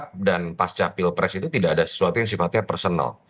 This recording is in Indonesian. perbedaan sikap dan pasca pil pres itu tidak ada sesuatu yang sifatnya personal